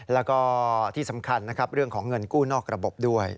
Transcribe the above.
แล้วก็ที่สำคัญนะครับเรื่องของเงินกู้นอกระบบด้วย